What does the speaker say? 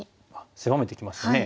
狭めてきますよね。